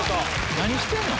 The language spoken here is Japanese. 何してんの？